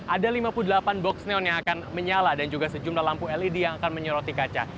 ada lima puluh delapan boxneon yang akan menyala dan juga sejumlah lampu led yang akan menyoroti kaca